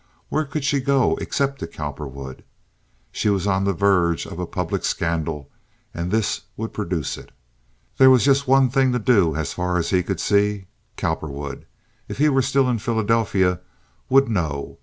Where could she go, except to Cowperwood? She was on the verge of a public scandal, and this would produce it. There was just one thing to do as far as he could see. Cowperwood, if he were still in Philadelphia, would know.